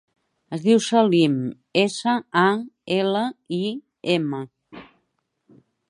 Es diu Salim: essa, a, ela, i, ema.